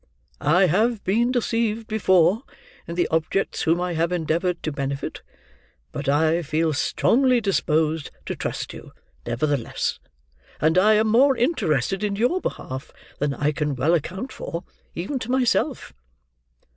I have been deceived, before, in the objects whom I have endeavoured to benefit; but I feel strongly disposed to trust you, nevertheless; and I am more interested in your behalf than I can well account for, even to myself.